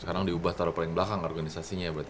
sekarang diubah taruh paling belakang organisasinya berarti